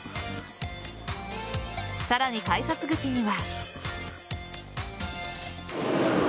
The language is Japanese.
さらに改札口には。